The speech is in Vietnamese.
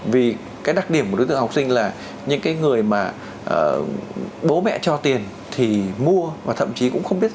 vì cái đặc điểm của đối tượng học sinh là những cái người mà bố mẹ cho tiền thì mua và thậm chí cũng không biết